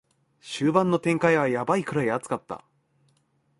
終盤の展開はヤバいくらい熱かった